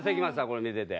これ見てて。